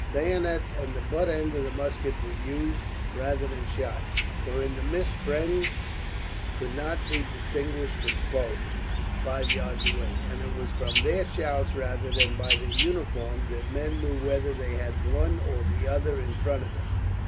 Bayonets and the butt end of the musket were used, rather than shot; for in the mist friend could not be distinguished from foe five yards away, and it was from their shouts rather than by their uniforms that men knew whether they had one or other in front of them.